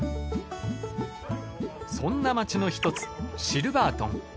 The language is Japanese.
そんな町の一つシルバートン。